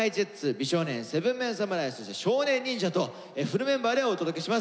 美少年７ＭＥＮ侍そして少年忍者とフルメンバーでお届けします。